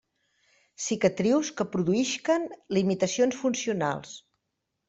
Cicatrius que produïsquen limitacions funcionals.